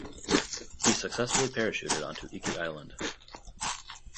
He successfully parachuted onto Iki Island.